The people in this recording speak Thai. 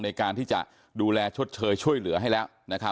ในการที่จะดูแลชดเชยช่วยเหลือให้แล้ว